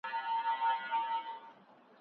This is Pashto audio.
استازو به نوي تړونونه لاسلیک کول.